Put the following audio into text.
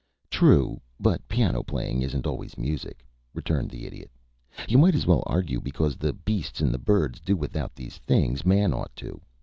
"True; but piano playing isn't always music," returned the Idiot. "You might as well argue because the beasts and the birds do without these things man ought to.